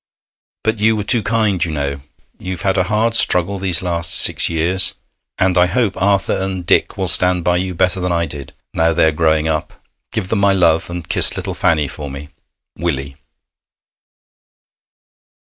But you were too kind, you know. You've had a hard struggle these last six years, and I hope Arthur and Dick will stand by you better than I did, now they are growing up. Give them my love, and kiss little Fannie for me. 'WILLIE.